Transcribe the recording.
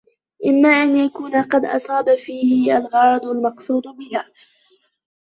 إمَّا أَنْ يَكُونَ قَدْ أَصَابَ فِيهَا الْغَرَضَ الْمَقْصُودَ بِهَا